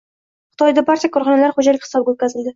Xitoyda barcha korxonalar xo‘jalik hisobiga o‘tkazildi.